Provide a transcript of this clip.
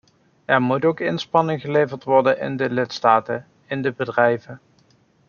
Er moeten ook inspanningen worden geleverd in de lidstaten, in de bedrijven.